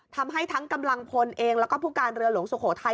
ทำให้ทั้งกำลังพลเองแล้วก็ผู้การเรือหลวงสุโขทัย